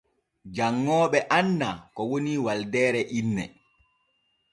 Janŋooɓe anna ko woni waldeere inne.